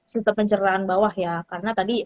sistem pencernaan bawah ya karena tadi